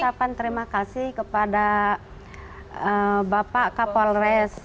saya mengucapkan terima kasih kepada bapak kapolres